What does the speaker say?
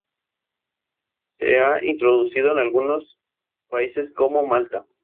Se ha introducido en algunos países como Malta.